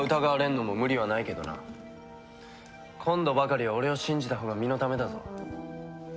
今度ばかりは俺を信じたほうが身のためだぞ。